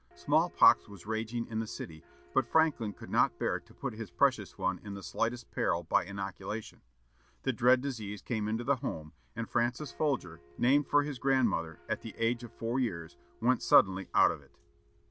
Small pox was raging in the city, but Franklin could not bear to put his precious one in the slightest peril by inoculation. The dread disease came into the home, and Francis Folger, named for his grandmother at the age of four years went suddenly out of it.